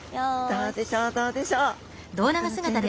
どうでしょうどうでしょう。